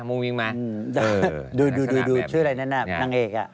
ดูชื่ออะไรนั่นน่ะนางเอก